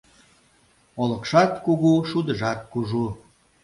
Олыкшат кугу, шудыжат кужу